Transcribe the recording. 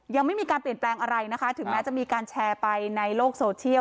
ยังไม่มีการเปลี่ยนแปลงอะไรนะคะถึงแม้จะมีการแชร์ไปในโลกโซเชียล